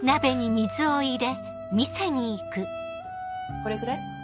これぐらい？